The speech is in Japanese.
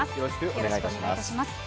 よろしくお願いします。